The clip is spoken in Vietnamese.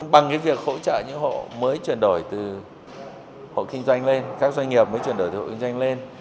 bằng việc hỗ trợ những hộ mới chuyển đổi từ hộ kinh doanh lên các doanh nghiệp mới chuyển đổi hộ kinh doanh lên